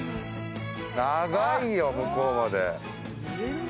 長いよ、向こうまで。